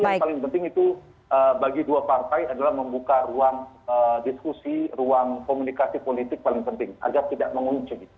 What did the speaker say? tapi yang paling penting itu bagi dua partai adalah membuka ruang diskusi ruang komunikasi politik paling penting agar tidak mengunci